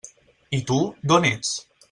I tu, d'on ets?